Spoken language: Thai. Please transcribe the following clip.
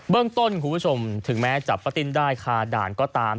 เรื่องต้นคุณผู้ชมถึงแม้จับป้าติ้นได้คาด่านก็ตาม